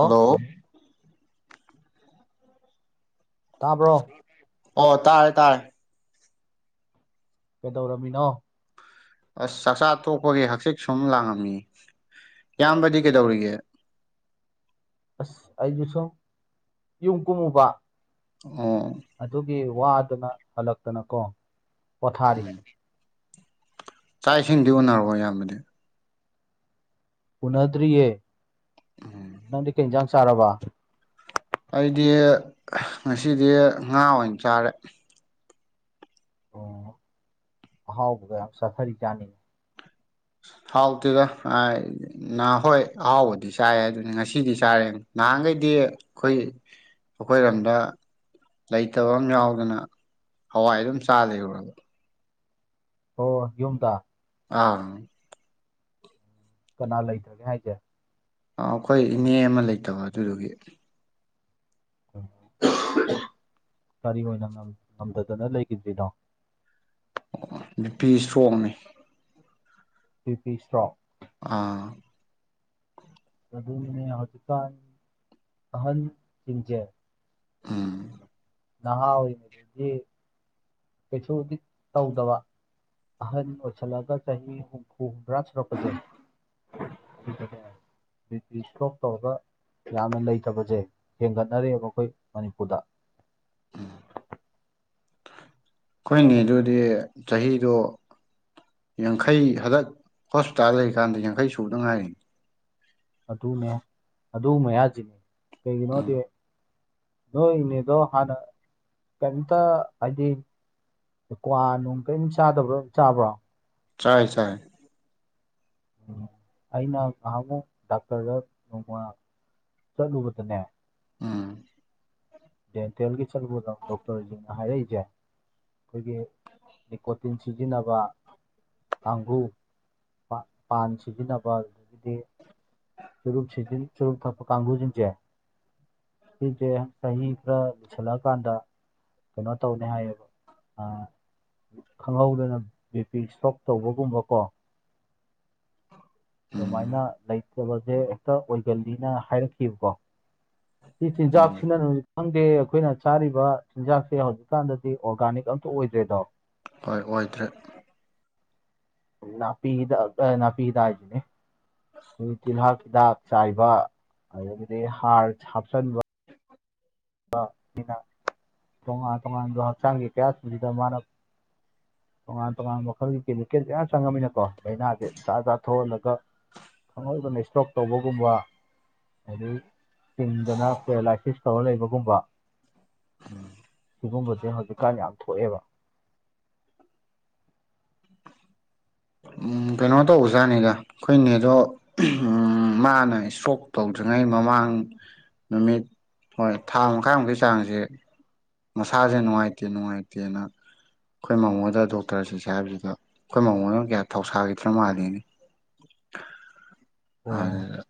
Hello ꯇꯥꯕ꯭ꯔꫭ ꯆꯠꯅꯤꯡꯗꯦꯕꯀꫭ ꯑꯣ ꯇꯥꯔꯦ ꯇꯥꯔꯦ ꯀꯩꯗꯧꯔꯝꯃꯤꯅꯣ ꯑꯁ ꯆꯥꯛꯆꯥ ꯇꫭꯛꯄꯒꯤ ꯍꯛꯆꯤꯛ ꯁꯨꯝ ꯂꯥꯡꯉꯝꯃꯤ ꯏꯌꯥꯝꯕꯗꯤ ꯀꯩꯗꯧꯔꯤꯒꯦ ꯑꯁ ꯑꯩꯁꯨ ꯁꯨꯝ ꯌꯨꯝ ꯀꯨꯝꯃꯨꯕ ꯑꫭ ꯑꯗꯨꯒꯤ ꯋꯥꯗꯨꯅ ꯍꯜꯂꯛꯇꯅ ꯀꯣ ꯄꯣꯊꯥꯔꯤ ꯎꯝ ꯆꯥꯛ ꯏꯁꯤꯡꯗꯤ ꯎꯟꯅꯔꯕꫭ ꯏꯌꯥꯝꯕꯗꯤ ꯎꯅꯗ꯭ꯔꯤꯌꯦ ꯎꯝ ꯅꯪꯗꯤ ꯀꯩ ꯌꯦꯟꯖꯥꯡ ꯆꯥꯔꯕ ꯑꯩꯗꯤ ꯉꯁꯤꯗꯤ ꯉꯥ ꯑꯣꯏꯅ ꯆꯥꯔꯦ꯫ ꯑꫭ ꯑꯍꯥꯎꯕꯒ ꯌꯥꯝ ꯆꯥꯊꯔꯤ ꯖꯥꯠꯅꯤꯅꯦ ꯍꯥꯎꯇꯦꯗ ꯀꯥꯏꯗꯩ ꯅ ꯍꯣꯏ ꯑꯍꯥꯎꯕꯗꯤ ꯆꯥꯏ ꯑꯗꯨꯅꯤ ꯉꯁꯤꯗꯤ ꯆꯥꯔꯦ ꯅꯍꯥꯟꯈꯩꯗꯤ ꯑꯩꯈꯣꯏ ꯑꯩꯈꯣꯏꯔꯣꯝꯗ ꯂꯩꯇꯕ ꯑꯃ ꯌꯥꯎꯗꯅ ꯍꯋꯥꯏ ꯑꯗꯨꯝ ꯆꯥ ꯂꯩꯔꯨꯔꯝ ꯍꫭ ꯌꯨꯝꯇ ꯑꯪ ꯀꯅꯥ ꯂꯩꯇꯒꯦ ꯍꯥꯏꯁꯦ ꯑꯩꯈꯣꯏ ꯏꯅꯦ ꯑꯃ ꯂꯩꯇꯕ ꯑꯗꯨꯗꯨꯒꯤ ꯎꯝ ꯀꯔꯤ ꯑꯣꯏꯅ ꯉꯝ ꯉꯝꯗꯗꯅ ꯂꯩꯒꯤꯗ꯭ꯔꯤꯅꯣ ꯑꯣ ꯕꯤꯄꯤ ꯏꯁꯇ꯭ꯔꯣꯛꯅꯦ ꯕꯤ ꯄꯤ ꯏꯁꯇ꯭ꯔꯣꯛ ꯑꯥ ꯑꯗꯨꯅꯤꯅꯦ ꯍꯧꯖꯤꯀꯥꯟ ꯑꯍꯟ ꯖꯤꯡꯖꯦ ꯎꯝ ꯅꯍꯥ ꯑꯣꯏꯔꯤꯉꯩꯗꯗꯤ ꯀꯩꯁꯨꯗꯤ ꯇꯧꯗꯕ ꯑꯍꯟ ꯑꯣꯏꯁꯜꯂꯛꯑꯒ ꯆꯍꯤ ꯍꯨꯝꯐꯨ ꯍꯨꯝꯗ꯭ꯔꯥ ꯁꯨꯔꯛꯄꯖꯦ ꯁꯤꯗꯅꯦ ꯕꯤꯄꯤ ꯏꯁꯇ꯭ꯔꯣꯛ ꯇꯧꯔꯒ ꯌꯥꯝꯅ ꯂꯩꯇꯕꯖꯦ ꯍꯦꯟꯒꯠꯅꯔꯦꯑꯦꯕ ꯑꯩꯈꯣꯏ ꯃꯅꯤꯄꯨꯔꯗ [unintelligible] ꯈꯣꯏꯅꯦꯗꯨꯗꯤ ꯆꯍꯤꯗꯣ ꯌꯥꯡꯈꯩ ꯈꯗꯛ ꯍꯣꯁꯄꯤꯇꯥꯜ ꯂꯩꯔꯤꯀꯥꯟꯗ ꯌꯥꯡꯈꯩ ꯁꯨꯗ ꯉꯥꯏꯔꯤꯅꯤ ꯑꯗꯨꯅꯦ ꯑꯗꯨ ꯃꯌꯥꯖꯤꯅꯤ ꯀꯩꯒꯤꯅꯣꯗꯤ ꯎꯝ ꯅꯣꯏ ꯏꯅꯦꯗꯣ ꯍꯥꯟꯅ ꯀ꯭ꯌꯦꯝꯇ ꯍꯥꯏꯗꯤ ꯀ꯭ꯋꯥ ꯅꯨꯡ ꯀ‌꯭ꯌꯤꯝ ꯆꯥꯗꯕ꯭ꯔꯣ ꯆꯥꯕ꯭ꯔꯣ ꯆꯥꯏ ꯆꯥꯏ ꯎꯝ ꯑꯩꯅ ꯉꯍꯥꯟꯃꯨꯛ ꯗꯥꯛꯇꯔꯗ ꯅꯣꯡꯃ ꯆꯠꯂꯨꯕꯗꯅꯦ ꯎꯝ ꯗꯦꯟꯇꯦꯜꯒꯤ ꯆꯠꯂꯨꯕ ꯃꯇꯝ ꯗꯣꯛꯇꯔꯖꯤꯡꯅ ꯍꯥꯏꯔꯛꯏꯖꯦ ꯑꯩꯈꯣꯏꯒꯤ ꯂꯤꯀꯣꯇꯤꯟ ꯁꯤꯖꯤꯟꯅꯕ ꯀꯥꯡꯒꯨ ꯄꯥꯟ ꯄꯥꯟ ꯁꯤꯖꯤꯟꯅꯕ ꯗꯤ ꯆꯨꯔꯨꯞ ꯁꯤꯖꯤꯟ ꯆꯨꯔꯨꯞ ꯊꯛꯄ ꯀꯥꯡꯕꯒꯨꯖꯤꯡꯖꯦ ꯁꯤꯖꯦ ꯆꯍꯤ ꯈꯔ ꯀꯨꯏꯁꯜꯂꯛꯑꯀꯥꯟꯗ ꯀꯩꯅꯣ ꯇꯧꯅꯤ ꯍꯥꯏꯌꯦ ꯑ ꯈꯪꯍꯧꯗꯅ ꯕꯤ ꯄꯤ ꯏꯁꯇ꯭ꯔꯣꯛ ꯇꯧꯕꯒꯨꯝꯕ ꯀꯣ ꯑꯗꯨꯃꯥꯏꯅ ꯎꯝ ꯂꯩ ꯇꯕꯁꯦ ꯍꯦꯛꯇ ꯑꯣꯏꯒꯜꯂꯤꯅ ꯍꯥꯏꯔꯛꯈꯤꯕꯀꯣ ꯁꯤ ꯆꯤꯟꯖꯥꯛ ꯎꯝ ꯁꯤꯅꯔꯖꯨ ꯈꯪꯗꯦ ꯑꯩꯈꯣꯏꯅ ꯆꯥꯔꯤꯕ ꯆꯤꯟꯖꯥꯛꯁꯦ ꯍꯧꯖꯤꯛꯀꯥꯟꯗꯗꯤ ꯑꯣꯔꯒꯥꯅꯤꯛ ꯑꯝꯇ ꯑꯣꯏꯗ꯭ꯔꯦꯗꯣ ꯍꯣꯏ ꯑꯣꯏꯗ꯭ꯔꯦ ꯅꯥꯄꯤꯍꯤꯗꯥꯛ ꯑ ꯅꯥꯄꯤꯍꯤꯗꯥꯛ ꯍꯥꯏꯖꯤꯅꯤ ꯍꯨꯖꯤꯛ ꯇꯤꯜꯍꯥꯛ ꯍꯤꯗꯥꯛ ꯆꯥꯏ ꯕ ꯑꯗꯒꯤꯗꯤ ꯍꯥꯔ ꯍꯥꯞꯆꯟꯕ ꯕ ꯁꯤꯅ ꯇꯣꯉꯥꯟ ꯇꯣꯉꯥꯟꯕ ꯍꯛꯆꯥꯡꯒꯤ ꯀꯌꯥꯠꯁꯤꯖꯤꯗ ꯃꯥꯅ ꯇꯣꯉꯥꯟ ꯇꯣꯉꯥꯟꯕ ꯃꯈꯜꯒꯤ ꯀꯦꯃꯤꯀꯦꯜꯖꯦ ꯀꯌꯥ ꯆꯪꯉꯝꯅꯤꯅꯀꯣ ꯂꯥꯏꯅꯥꯖꯦ ꯖꯥꯠ ꯖꯥꯠ ꯊꯣꯛꯍꯜꯂꯒ ꯈꯪꯍꯧꯗꯅ ꯁ꯭ꯇꯣꯛ ꯇꯧꯕꯒꯨꯝꯕ ꯑꯗꯩ ꯍꯤꯡꯗꯅ ꯄꯦꯔꯥꯂꯥꯏꯁꯤꯁ ꯇꯧꯔ ꯂꯩꯕ ꯒꯨꯝꯕ ꯎꯝ ꯁꯤꯒꯨꯝꯕꯖꯦ ꯍꯧꯖꯤꯛꯀꯥꯟ ꯌꯥꯝ ꯊꯣꯛꯑꯦꯕ ꯎꯝ ꯀꯩꯅꯣ ꯇꯧꯕꯖꯥꯠꯅꯤꯗ ꯑꯩꯈꯣꯏ ꯅꯦꯗꯣ ꯎꯝ ꯃꯥꯅ ꯏꯁꯇ꯭ꯔꯣꯛ ꯇꯧꯗ꯭ꯔꯤꯉꯩ ꯃꯃꯥꯡ ꯅꯨꯃꯤꯠ ꯍꯣꯏ ꯊꯥ ꯃꯈꯥꯏꯃꯨꯛꯀꯤ ꯆꯥꯡꯖꯦ ꯃꯁꯥꯖꯦ ꯅꯨꯡꯉꯥꯏꯇꯦ ꯅꯨꯡꯉꯥꯏꯇꯦꯅ ꯑꯩꯈꯣꯏ ꯃꯥꯝꯃꯣꯗ ꯗꯣꯛꯇꯔ ꯆꯠꯁꯦ ꯍꯥꯏꯕꯖꯤꯗ ꯑꯩꯈꯣꯏ ꯃꯥꯝꯃꯣꯅ ꯀꯌꯥ ꯊꯧꯁꯥꯒꯤꯗ꯭ꯔ ꯃꯥꯜꯂꯦꯅꯦ ꯑꯣ [unintelligible]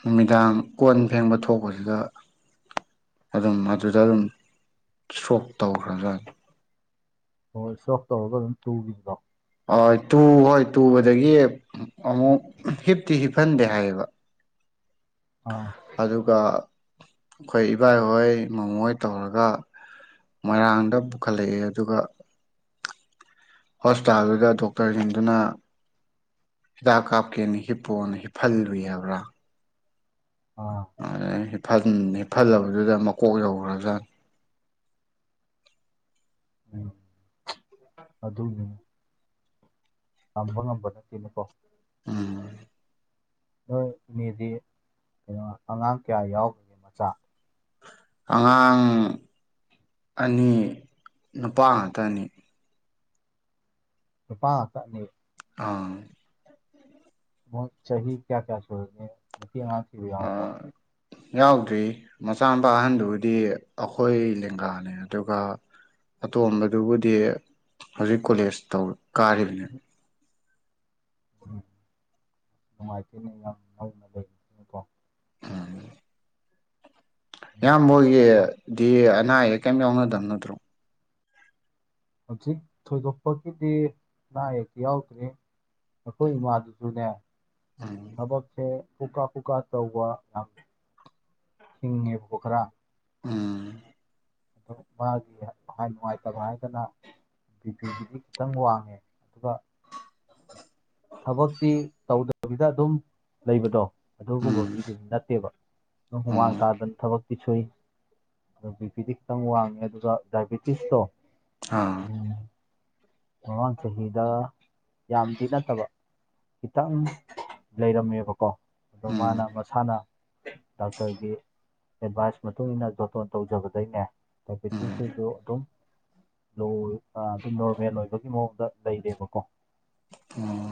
ꯅꯨꯃꯤꯗꯥꯡ ꯀꯣꯟ ꯐꯦꯡꯕ ꯊꯣꯛꯄꯁꯤꯗ ꯑꯗꯨꯝ ꯑꯗꯨꯗ ꯑꯗꯨꯝ ꯏꯁꯇ꯭ꯔꯣꯛ ꯇꯧꯈ꯭ꯔꯕꯖꯥꯠꯅꯦ ꯍꯣꯏ ꯁꯣꯞ ꯇꯧꯔꯒ ꯑꯗꯨꯝ ꯇꯨꯕꯤꯕꯣ ꯑ ꯇꯨ ꯍꯣꯏ ꯇꯨꯕꯗꯒꯤ ꯑꯃꯨꯛ ꯍꯤꯞꯇꯤ ꯍꯤꯞꯍꯟꯗꯦ ꯍꯥꯏꯌꯦꯕ ꯑꯥ ꯑꯗꯨꯒ ꯑꯈꯣꯏ ꯏꯕꯥꯏꯍꯣꯏ ꯃꯥꯝꯃꯣ ꯍꯣꯏ ꯇꯧꯔꯒ ꯃꯣꯏꯔꯥꯡꯗ ꯄꯨꯈꯠꯂꯛꯑꯦ ꯑꯗꯨꯒ ꯍꯣꯁꯄꯤꯇꯥꯜꯗꯨꯗ ꯗꯣꯛꯇꯔꯖꯤꯡꯗꯨꯅ ꯍꯤꯗꯥꯛ ꯀꯥꯞꯀꯦꯅ ꯍꯤꯞꯄꯣꯅ ꯍꯤꯞꯍꯜꯂꯨꯏ ꯍꯥꯏꯕ꯭ꯔꯥ ꯑꯥ ꯑꯗꯩ ꯍꯥꯞꯐꯜ ꯍꯤꯞꯐꯜꯂꯕꯗꯨꯗ ꯃꯀꯣꯛ ꯌꯧꯔꯕꯖꯥꯠꯅꯤ ꯎꯝ ꯑꯗꯨꯅꯤ ꯇꯝꯕ ꯉꯝꯕ ꯅꯠꯇꯦꯅꯦꯀꯣ ꯎꯝ ꯅꯣꯏ ꯃꯤꯗꯤ ꯀꯩꯅꯣ ꯑꯉꯥꯡ ꯀꯌꯥ ꯌꯥꯎ ꯑꯉꯥꯡ ꯑꯅꯤ ꯅꯨꯄꯥ ꯉꯥꯛꯇ ꯑꯅꯤ ꯅꯨꯄꯥ ꯉꯛꯇ ꯑꯅꯤ ꯑꯥ ꯃꯣꯏ ꯆꯍꯤ ꯀꯌꯥ ꯀꯌꯥ ꯁꯨꯔꯒꯦ ꯅꯨꯄꯤ ꯑꯉꯥꯡ ꯊꯤꯕ ꯌꯥꯎꯔꯕꯣ ꯌꯥꯎꯗ꯭ꯔꯦ ꯃꯆꯥ ꯃꯨꯄꯥ ꯑꯍꯟꯗꯨꯕꯨꯗꯤ ꯑꯈꯣꯏ ꯂꯦꯡꯒꯥꯅꯦ ꯑꯗꯨꯒ ꯑꯇꯣꯝꯕꯗꯨꯕꯨꯗꯤ ꯍꯧꯖꯤꯛ ꯀꯣꯂꯦꯖ ꯇꯧ ꯀꯥꯔꯤꯕꯅꯦꯕ ꯎꯝ ꯅꯨꯡꯉꯥꯏꯇꯦꯅꯤ [unintelligible] ꯎꯝ ꯏꯌꯥꯝꯕꯣꯏꯒꯤꯗꯤ ꯑꯅꯥ ꯑꯌꯦꯛ ꯀꯩꯝ ꯌꯥꯎꯅꯗꯕ ꯅꯠꯇ꯭ꯔꯣ ꯍꯧꯖꯤꯛ ꯊꯣꯏꯗꯣꯛꯄꯒꯤꯗꯤ ꯑꯅꯥ ꯑꯌꯦꯛꯇꯤ ꯌꯥꯎꯗ꯭ꯔꯦ ꯑꯈꯣꯏ ꯏꯃꯥꯗꯨꯁꯖꯨꯅꯦ ꯎꯝ ꯊꯕꯛꯁꯦ ꯄꯨꯀꯥ ꯄꯨꯀꯥ ꯇꯧꯕ ꯌꯥꯝ ꯊꯤꯡꯉꯦꯕꯀꯣ ꯈꯔ ꯎꯝ ꯑꯗꯨ ꯃꯥꯒꯤ ꯅꯨꯡꯉꯥꯏ ꯅꯨꯡꯉꯥꯏꯇꯕ ꯍꯥꯏꯔꯒꯅ ꯕꯤ [unintelligible] ꯈꯤꯇꯪ ꯋꯥꯡꯉꯦ ꯑꯗꯨꯒ ꯊꯕꯛꯇꯤ ꯇꯧꯗꯕꯤꯗ ꯑꯗꯨꯝ ꯂꯩꯕꯗꯣ ꯑꯗꯨꯒꯨꯝꯕ ꯎꯝ ꯃꯤꯗꯨꯗꯤ ꯅꯠꯇꯦꯕ ꯑꯗꯨ ꯍꯨꯃꯥꯡ ꯎꯝ ꯇꯥꯗꯅ ꯊꯕꯛ ꯄꯤ ꯁꯣꯏ ꯕꯤ ꯄꯤꯗꯤ ꯈꯤꯇꯪ ꯋꯥꯡꯉꯦ ꯑꯗꯨꯒ ꯗꯥꯏꯕꯤꯇꯤꯁꯇꯣ ꯑꯥ ꯎꯝ ꯃꯃꯥꯡ ꯆꯍꯤꯗ ꯌꯥꯝꯗꯤ ꯅꯠꯇꯕ ꯈꯤꯇꯪ ꯂꯩꯔꯝꯃꯦꯕꯀꯣ ꯑꯗꯣ ꯎꯝ ꯃꯥꯅ ꯃꯁꯥꯅ ꯗꯥꯛꯇꯔꯒꯤ ꯑꯦꯗꯚꯥꯏꯁ ꯃꯇꯨꯡꯏꯟꯅ ꯖꯣꯇꯣꯟ ꯇꯧꯖꯕꯗꯩꯅꯦ ꯎꯝ ꯗꯥꯏꯐꯦꯇꯤꯁꯅꯁꯨ ꯑꯗꯨꯝ ꯂꯣ ꯑ ꯑꯗꯨꯝ ꯅꯣꯔꯃꯦꯜ ꯑꯣꯏ ꯃꯑꯣꯡꯗ ꯂꯩꯔꯦꯕꯀꯣ ꯎꯝ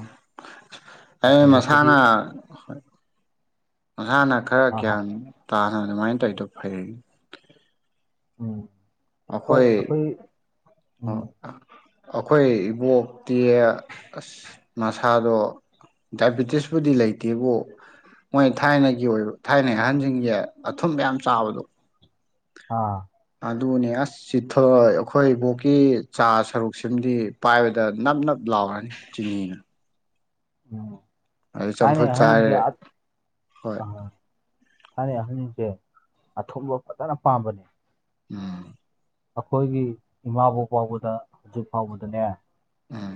ꯑꯩ ꯍꯧꯖꯤꯛꯄꯨꯗꯤ ꯃꯁꯥꯅ ꯃꯁꯥꯅ ꯈꯔ ꯑ, ꯍ ꯒ꯭ꯌꯥꯟ ꯇꯥꯅ ꯑꯗꯨꯃꯥꯏꯅ ꯇꯧꯏꯗꯣ ꯐꯩ ꯎꯝ ꯍꯣꯏ ꯑꯩꯈꯣꯏ ꯑꯈꯣꯏ ꯎꯝ ꯑꯈꯣꯏ ꯏꯕꯣꯛꯇꯤ ꯑꯁ ꯃꯁꯥꯗꯣ ꯗꯥꯏꯕꯤꯇꯤꯁꯄꯨꯗꯤ ꯂꯩꯇꯦꯕꯨ ꯃꯣꯏ ꯊꯥꯏꯅꯒꯤ ꯑꯣꯏꯕ ꯊꯥꯏꯅꯒꯤ ꯑꯍꯟꯖꯤꯡꯒꯤ ꯑꯊꯨꯝꯕ ꯌꯥꯝ ꯆꯥꯕꯗꯣ ꯑꯥ ꯑꯗꯨꯅꯦ ꯑꯁ ꯆꯤꯊꯣꯏ ꯑꯈꯣꯏ ꯏꯕꯣꯛꯀꯤ ꯆꯥ ꯁꯔꯨꯛꯁꯤꯝꯗꯤ ꯄꯥꯏꯕꯗ ꯅꯞ ꯅꯞ ꯂꯥꯎꯔꯅꯤ ꯆꯤꯅꯤꯅ ꯎꯝ ꯑꯗꯩ ꯊꯥꯏꯅꯩ ꯆꯝꯐꯨꯠ ꯑꯍꯟꯖꯤꯡꯖꯦ ꯆꯥꯔꯦ ꯑꯠ ꯍꯣꯏ ꯑꯥ ꯊꯥꯏꯅꯩ ꯑꯍꯟꯖꯤꯡꯖꯦ ꯑꯊꯨꯝꯕ ꯐꯖꯅ ꯄꯥꯝꯕꯅꯦ ꯎꯝ ꯑꯈꯣꯏꯒꯤ ꯏꯃꯥꯕꯣꯛ ꯐꯥꯎꯕꯗ ꯍꯧꯖꯤꯛ ꯐꯥꯎꯕꯗꯅꯦ ꯑꯥ ꯎꯝ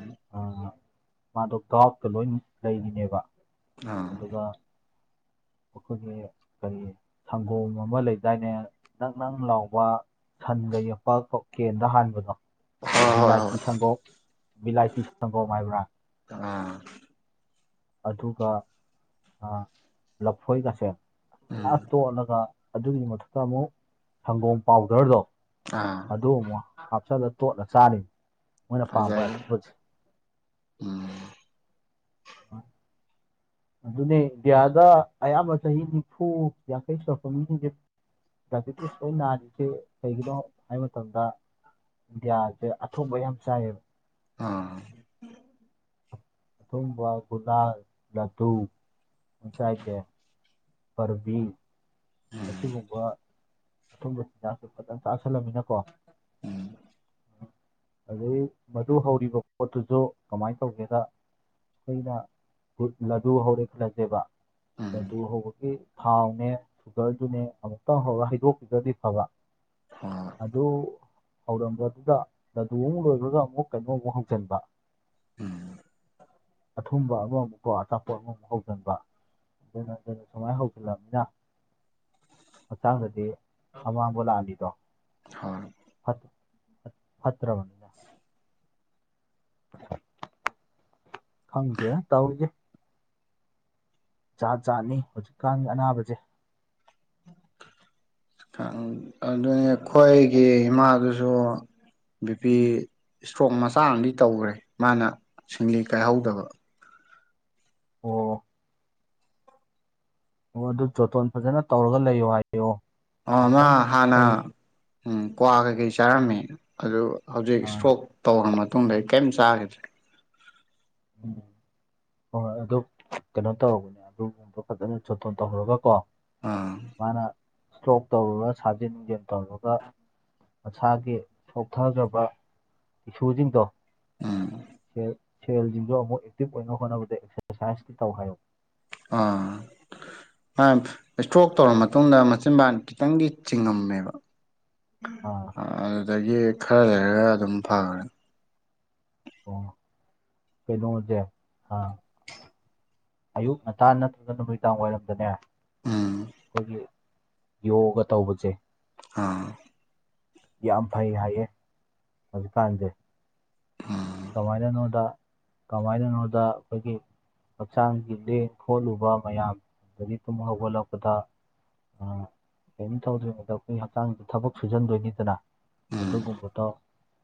ꯃꯥꯗꯣ ꯒꯥꯎꯠꯀ ꯂꯣꯏꯟ ꯂꯩꯔꯤꯅꯦꯕ ꯑꯥ ꯑꯗꯨꯒ ꯑꯩꯈꯣꯏꯒꯤ ꯀꯔꯤ ꯁꯪꯒꯣꯝ ꯑꯃ ꯂꯩꯗꯥꯏꯅꯦ ꯅꯪ ꯅꯪ ꯂꯥꯎꯕ ꯁꯟꯒ ꯌꯦꯛꯄ [unintelligible] ꯀꯦꯟꯗ ꯍꯥꯟꯕꯗꯣ ꯍꯣꯏ ꯍꯣꯏ ꯕꯤꯂꯥꯏꯇꯤ ꯍꯣꯏ ꯁꯪꯒꯣꯝ ꯕꯤꯂꯥꯏꯇꯤ ꯁꯪꯒꯣꯝ ꯍꯥꯏꯕ꯭ꯔꯥ ꯑꯥ ꯑꯗꯨꯒ ꯑꯥ ꯂꯐꯣꯏꯒꯁꯦ ꯎꯝ [unintelligible] ꯇꯣꯠꯂꯒ ꯑꯗꯨꯒꯤ ꯃꯊꯛꯇ ꯑꯃꯨꯛ ꯁꯪꯒꯣꯝ ꯄꯥꯎꯗꯔꯗꯣ ꯑꯥ ꯑꯗꯨ ꯑꯃꯨꯛ ꯍꯥꯞꯆꯜꯂ ꯇꯣꯠꯂ ꯆꯥꯔꯤ ꯃꯣꯏꯅ ꯄꯥꯝꯕ ꯐꯖꯩ ꯑꯊꯨꯝꯕ [unintelligible] ꯎꯝ ꯑꯗꯨꯅꯦ ꯏꯟꯗꯤꯌꯥꯗ ꯑꯌꯥꯝꯕ ꯆꯍꯤ ꯅꯤꯐꯨ ꯌꯥꯡꯈꯩ ꯁꯨꯔꯛꯄ ꯃꯤꯖꯤꯡꯖꯦ ꯗꯥꯏꯄꯤꯇꯤꯁ ꯂꯣꯏ ꯅꯥꯔꯤꯖꯦ ꯀꯩꯒꯤꯅꯣ [unintelligible] ꯃꯇꯝꯗ ꯏꯟꯗꯤꯌꯥꯖꯦ ꯑꯊꯨꯝꯕ ꯌꯥꯝ ꯆꯥꯏ [unintelligible] ꯑꯥ ꯑꯊꯨꯝꯕ ꯒꯨꯂꯥ ꯂꯗꯨ [unintelligible] ꯆꯥꯏꯖꯦ ꯄ꯭ꯔꯕꯤ ꯎꯝ ꯑꯁꯤꯒꯨꯝꯕ ꯑꯊꯨꯝꯕ ꯆꯤꯟꯖꯥꯛꯇꯣ ꯐꯖꯅ ꯆꯥꯁꯟꯂꯝꯅꯤꯅ ꯀꯣ ꯎꯝ ꯑꯗꯩ ꯃꯗꯨ ꯍꯧꯔꯤꯕ ꯄꯣꯠꯇꯨꯖꯨ ꯀꯃꯥꯏ ꯇꯧꯒꯦꯗ ꯑꯩꯈꯣꯏꯅ ꯂꯗꯨ ꯍꯧꯔꯦ ꯈꯠꯂꯖꯦꯕ ꯎꯝ ꯂꯗꯨ ꯍꯧꯕꯒꯤ ꯊꯥꯎꯅꯦ ꯁꯨꯒꯔꯗꯨꯅꯦ ꯑꯃꯨꯛꯇꯪ ꯍꯧꯔꯥ ꯍꯩꯗꯣꯛꯄꯤꯗ꯭ꯔꯗꯤ ꯐꯕ [unintelligible] ꯑꯗꯨ ꯍꯧꯔꯝꯕꯗꯨꯗ ꯂꯗꯨ ꯑꯃꯨꯛ ꯂꯣꯏꯕꯒ ꯑꯃꯨꯛ ꯀꯩꯅꯣꯃꯨꯛ ꯍꯧꯖꯟꯕ ꯎꯝ ꯑꯊꯨꯝꯕ ꯑꯃꯃꯨꯛꯀꯣ ꯑꯆꯥꯄꯣꯠ ꯑꯃꯨꯛ ꯍꯧꯖꯟꯕ [unintelligible] ꯁꯨꯃꯥꯏ ꯍꯧꯗꯣꯏꯕ [unintelligible] ꯍꯛꯆꯥꯡꯗꯗꯤ ꯑꯃꯥꯡꯕ ꯂꯥꯛꯍꯟꯂꯤꯗꯣ ꯍꯣꯏ ꯐꯠ ꯐꯠꯇ꯭ꯔꯕ ꯈꯪꯗꯦꯗ ꯇꯧꯔꯤꯖꯦ ꯖꯥꯠ ꯖꯥꯥꯠꯅꯤ ꯍꯧꯖꯤꯛꯀꯥꯟꯒꯤ ꯑꯅꯥꯕꯖꯦ ꯈꯪ ꯑꯗꯨꯅꯤ ꯑꯩꯈꯣꯏꯒꯤ ꯏꯃꯥꯗꯨꯁꯨ ꯕꯤꯄꯤ ꯏꯁꯇ꯭ꯔꯣꯛ ꯃꯆꯥ ꯑꯝꯗꯤ ꯇꯧꯒ꯭ꯔꯦ ꯃꯥꯅ ꯁꯤꯡꯂꯤ ꯀꯥꯏꯍꯧꯗꯕ ꯑꯣ ꯑꯣ ꯑꯗꯨ ꯖꯣꯇꯣꯟ ꯐꯖꯅ ꯇꯧꯔꯒ ꯂꯩꯌꯣ ꯍꯥꯏꯌꯣ ꯑꯣ ꯃꯥ ꯑꯃꯨꯛꯇꯪ ꯍꯥꯟꯅ ꯇꯧ ꯎꯝ ꯀ꯭ꯋꯥ ꯀꯩꯀꯩ ꯆꯥꯔꯝꯃꯦ ꯑꯗꯨ ꯍꯧꯖꯤꯛ ꯑꯥ ꯏꯁꯇ꯭ꯔꯣꯛ ꯇꯧꯒ꯭ꯔꯥ ꯃꯇꯨꯡꯗ ꯑꯩ ꯀꯩꯝ ꯆꯥꯒꯤ [unintelligible] ꯎꯝ ꯍꯣꯏ ꯍꯣꯏ ꯑꯗꯨ ꯀꯩꯅꯣ ꯇꯧꯔꯨꯕꯅꯦ ꯑꯗꯨꯒꯨꯝꯕ ꯐꯖꯅ ꯖꯣꯇꯣꯟ ꯇꯧꯍꯧꯔꯒ ꯀꯣ ꯎꯝ ꯃꯥꯅ ꯏꯁꯇ꯭ꯔꯣꯛ ꯇꯧꯔꯨꯔꯥ ꯁꯥꯖꯦꯟ ꯅꯨꯡꯖꯦꯟ ꯇꯧꯔꯒ ꯃꯁꯥꯒꯤ ꯁꯣꯛꯊꯖꯕ ꯏꯁꯨꯖꯤꯡꯗꯣ ꯎꯝ ꯁꯦꯜ ꯁꯦꯜꯖꯤꯡꯁꯨ ꯑꯃꯨꯛ ꯑꯦꯛꯇꯤꯚ ꯑꯣꯏꯅ ꯍꯣꯠꯅꯕꯗ ꯑꯦꯛꯁꯔꯁꯥꯏꯁꯇ ꯇꯧ ꯍꯥꯏꯌꯨ ꯑꯥ ꯑꯥꯝ ꯏꯁꯇ꯭ꯔꯣꯛ ꯇꯧꯔ ꯃꯇꯨꯡꯗ ꯃꯆꯤꯟꯕꯥ ꯈꯤꯇꯪꯗꯤ ꯆꯤꯡꯉꯝꯃꯦꯕ ꯑꯥ ꯑꯥꯗꯨꯗꯒꯤ ꯈꯔ ꯂꯩꯔꯒ ꯑꯗꯨꯝ ꯐꯒ꯭ꯔꯅꯤ ꯑꯣ ꯀꯩꯅꯣꯖꯦ ꯑꯥ ꯑꯌꯨꯛ ꯉꯇꯥꯟ ꯅꯠꯇ꯭ꯔꯒ ꯅꯨꯃꯤꯗꯥꯡ ꯋꯥꯏꯔꯝꯗꯅꯦ ꯎꯝ ꯑꯩꯈꯣꯏꯒꯤ ꯌꯣꯒꯥ ꯇꯧꯕꯖꯦ ꯑꯥ ꯌꯥꯝ ꯐꯩ ꯍꯥꯏꯌꯦ ꯍꯧꯖꯤꯛꯀꯥꯟꯖꯦ ꯎꯝ ꯀꯃꯥꯏꯅꯅꯣꯗ ꯀꯃꯥꯏꯅꯅꯣꯗ ꯑꯈꯣꯏꯒꯤ ꯍꯛꯆꯥꯡꯒꯤ ꯂꯦꯡ ꯈꯣꯠꯂꯨꯕ ꯃꯌꯥꯝ ꯑꯗꯒꯤ ꯇꯨꯝ ꯍꯧꯒꯠꯂꯛꯄꯗ ꯑꯥ ꯀꯩꯝ ꯇꯧꯗ꯭ꯔꯤꯉꯩꯗ ꯑꯩꯈꯣꯏ ꯍꯛꯆꯥꯡꯖꯦ ꯊꯕꯛ ꯁꯨꯖꯟꯗꯣꯏꯅꯤꯗꯅ ꯎꯝ ꯑꯗꯨꯒꯨꯝꯕꯇꯣ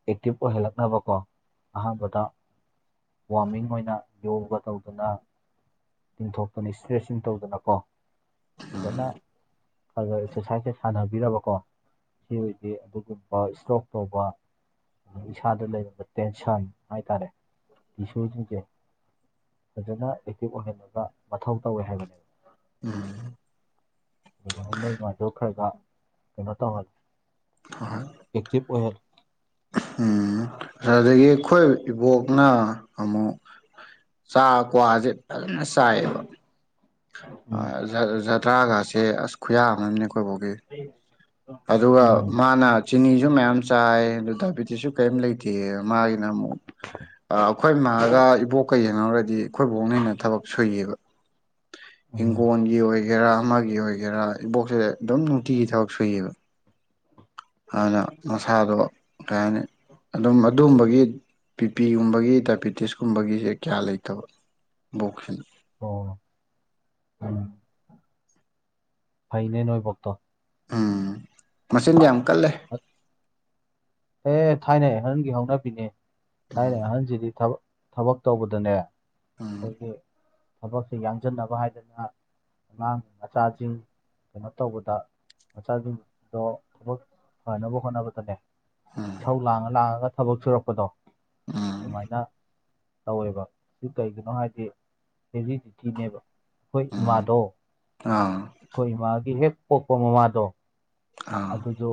ꯑꯦꯛꯇꯤꯞ ꯑꯣꯏꯍꯜꯂꯛꯅꯕꯀꯣ ꯑꯍꯥꯝꯕꯗ ꯋꯥꯃꯤꯡ ꯑꯣꯏꯅ ꯌꯣꯒꯥ ꯇꯧꯗꯅꯥ ꯇꯤꯡꯊꯣꯛꯇꯅ ꯏꯁꯇ꯭ꯔꯦꯠꯆꯤꯡ ꯇꯧꯗꯅꯀꯣ ꯐꯖꯅ ꯈꯥꯒ ꯑꯦꯛꯁꯔꯁꯥꯏꯁꯖꯦ ꯁꯥꯟꯅꯕꯤꯔꯕꯀꯣ ꯁꯤ ꯑꯣꯏꯗꯤ ꯑꯗꯨꯒꯨꯝꯕ ꯏꯁꯇ꯭ꯔꯣꯛ ꯇꯧꯕ ꯑꯗꯩ ꯏꯁꯥꯗ ꯂꯩꯔꯝꯕꯠ ꯇꯦꯟꯁꯟ ꯍꯥꯏꯇꯥꯔꯦ ꯇꯤꯁꯨꯖꯤꯡꯖꯦ ꯐꯖꯅ ꯑꯦꯛꯇꯤꯚ ꯑꯣꯏꯍꯟꯅ__ ꯄꯥ ꯃꯊꯧ ꯇꯧꯋꯦ ꯍꯥꯏꯕꯅꯦ ꯑꯗꯨ ꯃꯥꯏꯅ ꯅꯣꯏ ꯃꯥꯗꯣ ꯈꯔꯒ ꯀꯩꯅꯣ ꯇꯧꯍꯜ ꯍꯥꯍꯣꯏ ꯑꯦꯛꯇꯤꯚ ꯑꯣꯏꯍꯜ ꯑꯗꯨꯗꯒꯤ ꯑꯈꯣꯏ ꯏꯕꯣꯛꯅ ꯑꯃꯨꯛ ꯆꯥ ꯀ꯭ꯋꯥꯖꯦ__ ꯐꯖꯅ ꯆꯥꯏꯌꯦꯕ ꯎꯝ ꯑꯥ ꯖꯔ ꯖꯔꯗ꯭ꯔꯥꯒꯁꯦ ꯑꯁ ꯈꯨꯌꯥꯝ ꯑꯝꯅꯦ ꯑꯈꯣꯏ ꯕꯣꯛꯀꯤ ꯑꯗꯨꯒ ꯎꯝ ꯃꯥꯅ ꯆꯤꯅꯤꯖꯨ ꯃꯌꯥꯝ ꯆꯥꯏ ꯑꯗꯨ ꯗꯥꯏꯕꯦꯇꯤꯁꯁꯨ ꯀꯩꯝ ꯂꯩꯇꯦꯌꯦ ꯃꯥꯒꯤꯅ ꯑꯃꯨꯛ ꯑꯥ ꯑꯈꯣꯏ ꯃꯥꯒ ꯏꯕꯣꯛꯀ ꯌꯦꯡꯅꯧꯔꯗꯤ ꯑꯈꯣꯏ ꯕꯣꯛꯅ ꯍꯦꯟꯅ ꯊꯕꯛ ꯁꯨꯏꯌꯦꯕ ꯎꯝ ꯏꯡꯒꯣꯟꯒꯤ ꯑꯣꯏꯒꯦꯔꯥ ꯑꯃꯒꯤ ꯑꯣꯏꯒꯦꯔꯥ ꯏꯕꯣꯛꯁꯦ ꯑꯗꯨꯝ ꯅꯨꯡꯇꯤꯒꯤ ꯊꯕꯛ ꯁꯨꯏꯌꯦꯕ ꯑꯅ ꯃꯁꯥꯗꯣ ꯀꯩ ꯍꯥꯏꯅꯤ ꯑꯗꯨꯝ ꯑꯗꯨꯝꯕꯒꯤ ꯕꯤ ꯄꯤꯒꯨꯝꯕꯒꯤ ꯗꯥꯏꯄꯦꯇꯤꯁ ꯀꯨꯝꯕꯒꯤꯖꯦ ꯀꯌꯥ ꯂꯩꯇꯕ ꯕꯣꯛꯁꯤꯟ ꯑꯣ ꯎꯝ ꯐꯩꯅꯦ ꯅꯣꯏ ꯕꯣꯛꯇꯣ ꯎꯝ ꯃꯆꯤꯟꯗꯤ ꯌꯥꯝ ꯀꯜꯂꯦ ꯑꯦ ꯊꯥꯏꯅꯩ ꯑꯍꯟꯒꯤ ꯍꯧꯅꯕꯤꯅꯦ ꯎꯝ ꯊꯥꯏꯅꯩ ꯑꯍꯟꯖꯤꯗꯤ ꯊꯕꯛ ꯊꯕꯛ ꯇꯧꯕꯗꯅꯦ ꯎꯝ ꯈꯣꯏꯒꯤ ꯊꯕꯛꯁꯦ ꯌꯥꯡꯖꯟꯅꯕ ꯍꯥꯏꯗꯅ ꯑꯉꯥꯡ ꯃꯆꯥꯖꯤꯡ ꯀꯩꯅꯣ ꯇꯧꯕꯗ ꯃꯆꯥꯖꯤꯡꯗꯣ ꯊꯕꯛ ꯐꯅꯕ ꯍꯣꯠꯅꯕꯗꯅꯦ ꯎꯝ ꯏꯁꯧ ꯂꯥꯡꯉ ꯂꯥꯡꯉꯒ ꯊꯕꯛ ꯁꯨꯔꯛꯄꯗꯣ ꯎꯝ ꯑꯗꯨꯃꯥꯏꯅ ꯇꯧꯋꯦꯕ ꯁꯤ ꯀꯩꯒꯤꯅꯣ ꯍꯥꯏꯗꯤ ꯍꯦꯔꯤꯗꯤꯇꯤꯅꯦꯕ ꯑꯩꯈꯣꯏ ꯎꯝ ꯏꯃꯥꯗꯣ ꯍꯣꯏ ꯌꯥꯝ ꯑꯩꯈꯣꯏ ꯏꯃꯥꯒꯤ ꯍꯦꯛ ꯄꯣꯛꯄ ꯃꯃꯥꯗꯣ ꯑꯗꯨꯗꯣ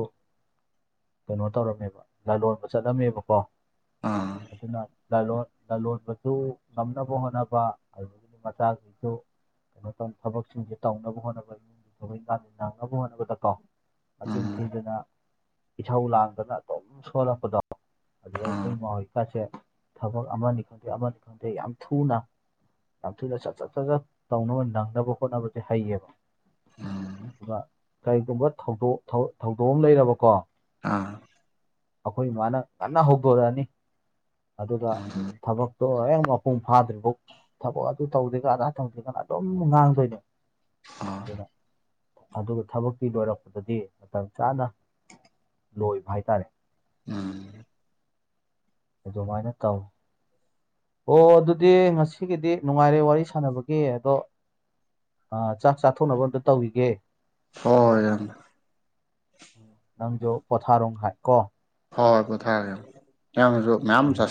ꯀꯩꯅꯣ ꯇꯧꯔꯝꯃꯦꯕ ꯂꯂꯣꯟꯕꯥ ꯆꯠꯂꯝꯃꯦꯕꯀꯣ ꯑꯥ ꯑꯗꯨꯅ ꯂꯥꯂꯣꯟ ꯂꯥꯂꯣꯟꯕꯁꯨ ꯉꯝꯅꯕ ꯍꯣꯠꯅꯕ ꯑꯗꯨꯗꯒꯤ ꯃꯆꯥꯁꯤꯡꯁꯨ ꯀꯩꯅꯣ ꯇꯧ ꯊꯕꯛꯁꯤꯡꯁꯦ ꯇꯧꯅꯕ ꯍꯣꯠꯅꯕ ꯏꯃꯨꯡꯒꯤ ꯊꯕꯛ ꯏꯟꯈꯥꯡꯁꯨ ꯅꯪꯅꯕ ꯍꯣꯠꯅꯕꯗꯀꯣ ꯃꯆꯤꯟ ꯊꯤꯗꯅ ꯏꯍꯧ ꯂꯥꯡꯗꯅ ꯑꯗꯨꯝ ꯁꯨꯍꯜꯂꯛꯄꯗꯣ ꯑꯗꯨꯗ ꯑꯩꯈꯣꯏ ꯏꯃꯥꯍꯣꯏꯀꯥꯁꯦ ꯊꯕꯛ ꯑꯃꯅꯤ ꯈꯪꯗꯦ ꯑꯃꯅꯤ ꯈꯪꯗꯦ ꯌꯥꯝ ꯊꯨꯅ ꯌꯥꯝ ꯊꯨꯅ ꯁꯠ ꯁꯠ ꯁꯠ ꯁꯠ ꯇꯧꯅꯕ ꯅꯪꯅꯕ ꯍꯣꯠꯅꯕꯁꯦ ꯍꯩꯌꯦꯕ ꯑꯗꯨꯒ ꯀꯩꯒꯨꯝꯕ ꯊꯧꯗꯣꯛ ꯊꯧ ꯊꯣꯗꯣꯛ ꯑꯃ ꯂꯩꯔꯕꯀꯣ ꯑꯥ ꯑꯈꯣꯏ ꯏꯃꯥꯅ ꯉꯟꯅ ꯍꯧꯗꯣꯔꯛꯑꯅꯤ ꯑꯗꯨꯒ ꯊꯕꯛ ꯗꯨꯒ ꯍꯣꯔꯦꯡ ꯃꯄꯨꯡ ꯐꯥꯗ꯭ꯔꯤꯐꯥꯎ ꯊꯕꯛ ꯑꯗꯨ ꯇꯧꯗꯦꯒ ꯑꯗꯥꯥ ꯇꯧꯗꯦꯒꯥꯅ ꯑꯗ ꯑꯗꯨꯝ ꯉꯥꯡꯗꯣꯏꯅꯦ ꯑꯗꯨꯅ ꯑꯗꯨꯒ ꯊꯕꯛꯇꯤ ꯂꯣꯏꯔꯛꯄꯗꯗꯤ ꯃꯇꯝ ꯆꯥꯅ ꯂꯣꯏꯕ ꯍꯥꯏꯇꯥꯔꯦ ꯎꯝ ꯑꯗꯨꯃꯥꯏꯅ ꯇꯧꯏ ꯑꯣ ꯑꯗꯨꯗꯤ ꯉꯁꯤꯒꯤꯗꯤ ꯅꯨꯡꯉꯥꯏꯔꯦ ꯋꯥꯔꯤ ꯁꯥꯟꯅꯕꯒꯤ ꯑꯗꯣ ꯑꯥ ꯆꯥꯛ ꯆꯥꯊꯣꯛꯅꯕ ꯑꯝꯇ ꯇꯧꯒꯤꯒꯦ ꯍꯣ ꯍꯣ ꯏꯌꯥꯝꯕ ꯅꯪꯖꯨ ꯄꯣꯊꯥꯔꯣ ꯉꯍꯥꯏ ꯀꯣ ꯍꯣꯏ ꯍꯣꯏ ꯄꯣꯊꯥꯔꯒꯦ [unintelligible] ꯃꯌꯥꯝꯕꯁꯨ ꯃꯌꯥꯝ ꯎꯝ ꯆꯥꯁꯜ